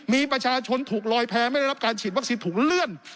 มีประชาชนถูกลอยแพ้ไม่ได้รับการฉีดวัคซีนถูกเลื่อน